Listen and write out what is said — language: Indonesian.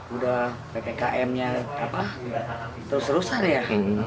udah ppkm nya terus rusak ya